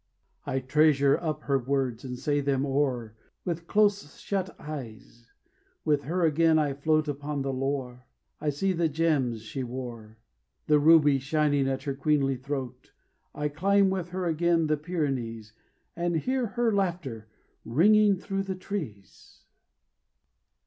I treasure up her words, and say them o'er With close shut eyes; with her again I float Upon the Loire; I see the gems she wore, The ruby shining at her queenly throat; I climb with her again the Pyrenees, And hear her laughter ringing through the trees.